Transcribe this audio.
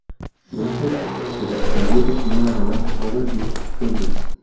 De este se desprendió su primer adelanto, "Over Your Shoulder".